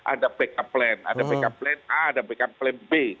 ada backup plan ada backup plan a ada backup plan b